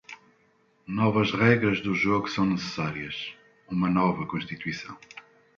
Novas regras do jogo são necessárias, uma nova Constituição.